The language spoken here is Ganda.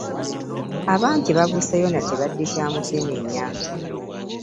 Abangi babuuseeyo na kirwadde kya mukenenya.